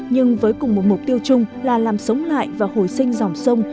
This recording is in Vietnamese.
nhưng với cùng một mục tiêu chung là làm sống lại và hồi sinh dòng sông